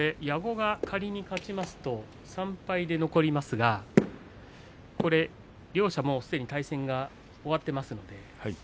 矢後は勝ちますと３敗で残りますが両者はすでに対戦が終わっています。